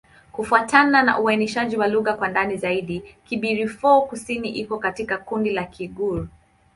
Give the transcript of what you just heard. Kufuatana na uainishaji wa lugha kwa ndani zaidi, Kibirifor-Kusini iko katika kundi la Kigur.